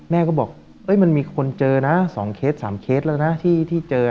แม่ก็บอกมันมีคนเจอนะ๒เคส๓เคสแล้วนะที่เจอ